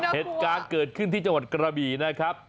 เหตุการณ์เกิดขึ้นที่จังหวัดกระบี่นะครับ